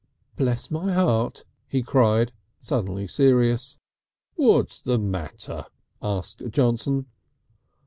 "Bless my heart!" he cried, suddenly serious. "What's the matter?" asked Johnson.